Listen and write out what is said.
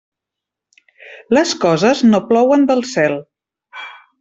Les coses no plouen del cel.